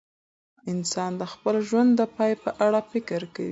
انسان د خپل ژوند د پای په اړه فکر کوي.